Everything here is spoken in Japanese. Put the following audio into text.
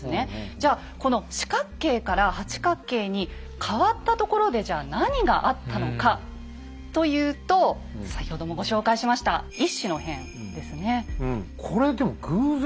じゃこの四角形から八角形に変わったところでじゃ何があったのかというと先ほどもご紹介しました乙巳の変ですね。